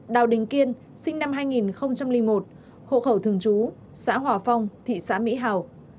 đào đình kiên sinh năm hai nghìn một hộ khẩu thường chú xã hòa phong tỉ xã mỹ hào